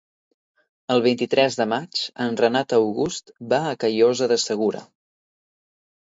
El vint-i-tres de maig en Renat August va a Callosa de Segura.